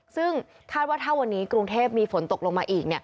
ซึ่งคาดว่าถ้าวันนี้กรุงเทพมีฝนตกลงมาอีก